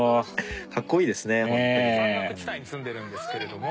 山岳地帯に住んでるんですけれども。